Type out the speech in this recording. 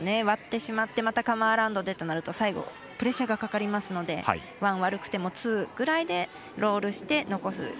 割ってしまってまたカム・アラウンドでとなると最後プレッシャーかかりますのでワン悪くてもツーぐらいでロールして残す。